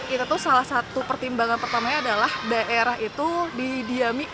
itu salah satu pertimbangan pertamanya adalah daerah itu didiami